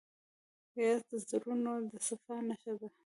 ګیلاس د زړونو د صفا نښه ده.